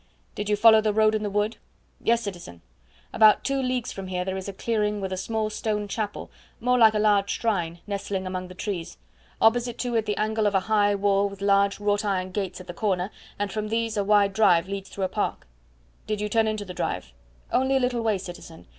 "Did you follow the road in the wood?" "Yes, citizen. About two leagues from here there is a clearing with a small stone chapel, more like a large shrine, nestling among the trees. Opposite to it the angle of a high wall with large wrought iron gates at the corner, and from these a wide drive leads through a park." "Did you turn into the drive?" "Only a little way, citizen.